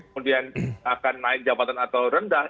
kemudian akan naik jabatan atau rendah